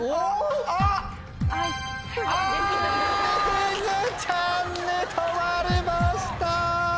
りづちゃんに止まりました。